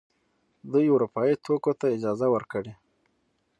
دوی اروپايي توکو ته اجازه ورکړي.